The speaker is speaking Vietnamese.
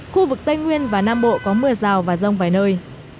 khu vực tây nguyên và nam bộ có mưa rào và rông vài nơi